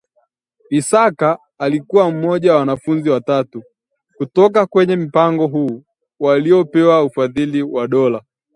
Isaka alikuwa mmoja ya wanafunzi watatu kutoka kwenye mpango huo waliopewa ufadhili wa dola